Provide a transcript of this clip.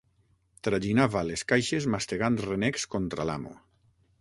Traginava les caixes mastegant renecs contra l'amo.